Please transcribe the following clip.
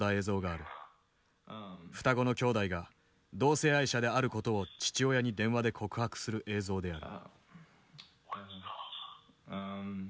双子の兄弟が同性愛者であることを父親に電話で告白する映像である。